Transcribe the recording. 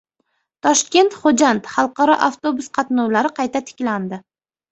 Toshkent – Xo‘jand xalqaro avtobus qatnovlari qayta tiklandi